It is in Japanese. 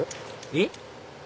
えっ？